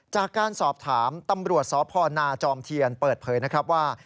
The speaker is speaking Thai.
จากการสอบถามตำรวจสพนาจอมเทียนเปิดเผยนะครับว่า